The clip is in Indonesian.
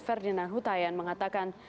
ferdinand hutahian mengatakan